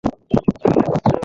তাহলে এখন চল!